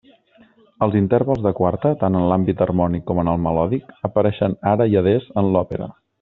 Els intervals de quarta —tant en l'àmbit harmònic com en el melòdic— apareixen ara i adés en l'òpera.